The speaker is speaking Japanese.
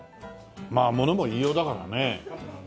まあ物も言いようだからね。